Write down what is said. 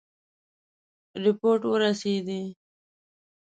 رپوټ ورسېدی.